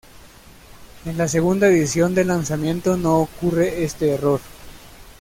En la segunda edición del lanzamiento no ocurre este error.